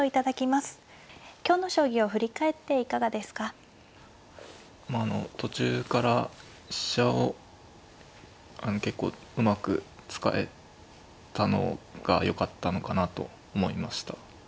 まああの途中から飛車を結構うまく使えたのがよかったのかなと思いました。